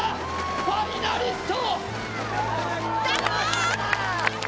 ファイナリスト。